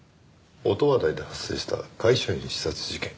音羽台で発生した会社員刺殺事件。